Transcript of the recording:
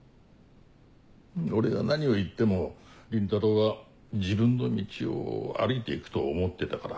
俺が何を言っても倫太郎は自分の道を歩いて行くと思ってたから。